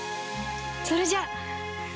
それじゃ。